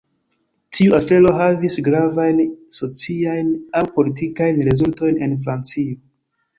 Tiu afero havis gravajn sociajn aŭ politikajn rezultojn en Francio.